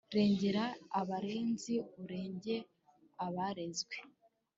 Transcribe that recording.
Rengera abarenzi urenge abarenzwe.